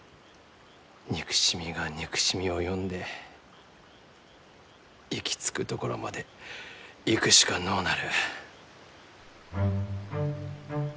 憎しみが憎しみを呼んで行き着くところまで行くしかのうなる。